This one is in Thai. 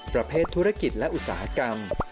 ประเภทธุรกิจและอุตสาหกรรม